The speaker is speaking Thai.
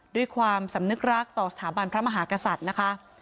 ด้วยความสำนึกรักต่อสถาบันพระมหากษัตริย์นะคะ